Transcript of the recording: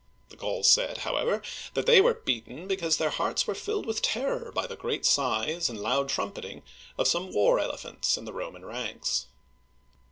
The Gauls said, however, that they were beaten because their hearts were filled with terror by the great size and loud trumpeting of some war elephants in the Roman ranks.